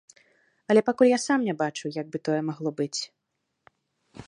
Але пакуль я сам не бачу, як бы тое магло быць.